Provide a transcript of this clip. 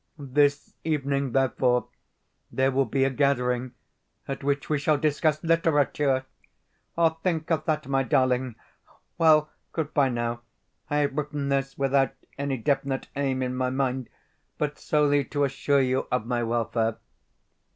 This evening, therefore, there will be a gathering at which we shall discuss literature! Think of that my darling! Well, goodbye now. I have written this without any definite aim in my mind, but solely to assure you of my welfare.